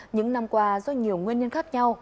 những năm qua do nhiều nguyên nhân khác nhau